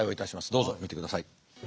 どうぞ見てください。